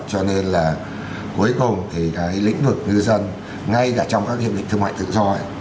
cho nên là cuối cùng thì cái lĩnh vực ngư dân ngay cả trong các hiệp định thương mại tự do